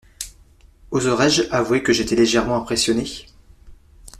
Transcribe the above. Oserais-je avouer que j’étais légèrement impressionné?